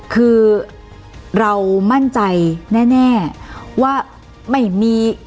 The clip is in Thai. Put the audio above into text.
คือเรามั่นใจแน่ว่าไม่มี